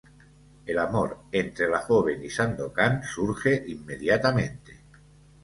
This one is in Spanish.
El amor entre la joven y Sandokán surge inmediatamente.